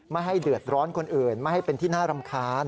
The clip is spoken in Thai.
ไม่ให้เดือดร้อนคนอื่นไม่ให้เป็นที่น่ารำคาญ